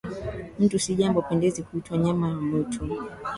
Mtu si jambo pendezi, kuitwa nyama wa mwitu